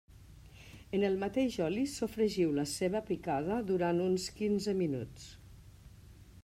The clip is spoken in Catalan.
En el mateix oli sofregiu la ceba picada durant uns quinze minuts.